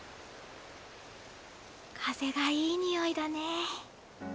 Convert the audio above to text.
風がいい匂いだね。